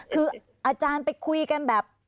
คืออาจารย์ไปคุยกันแบบ